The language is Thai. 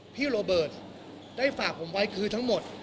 โรเบิร์ตได้ฝากผมไว้คือทั้งหมด